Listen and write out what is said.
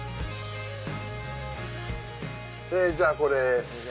じゃあこれ。